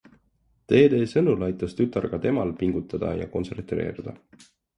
Dede sõnul aitas tütar ka temal pingutada ja kontsentreeruda.